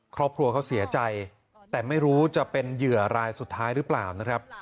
ครอบครัวเขาเสียใจแต่ไม่รู้จะเป็นเหยื่อรายสุดท้ายหรือเปล่านะครับ